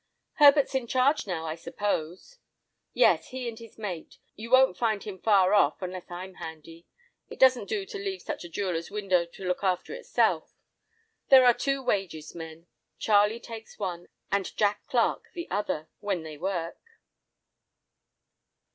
"Herbert's in charge now, I suppose?" "Yes! he and his mate. You won't find him far off, unless I'm handy. It doesn't do to leave such a jeweller's window to look after itself. There are two wages men, Charlie takes one and Jack Clarke the other, when they work.